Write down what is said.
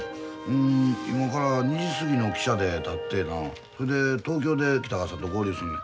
今から２時過ぎの汽車でたってなそれで東京で北川さんと合流するんや。